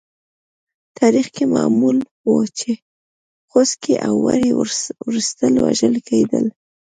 تاریخ کې معمول وه چې خوسکي او وری وروسته وژل کېدل.